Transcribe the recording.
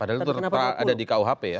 padahal itu ada di kuhp ya